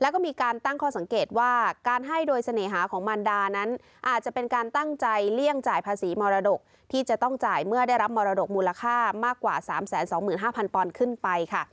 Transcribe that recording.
แล้วก็มีการตั้งข้อสังเกตว่าการให้โดยเสน่หาของมันดานั้นอาจจะเป็นการตั้งใจเลี่ยงจ่ายภาษีมรดกที่จะต้องจ่ายเมื่อได้รับมรดกมูลค่ามากกว่า๓๒๕๐๐ปอนด์ขึ้นไปค่ะ